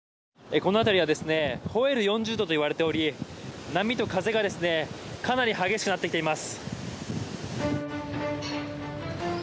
この辺りはほえる４０度といわれており波と風がかなり激しくなってきています。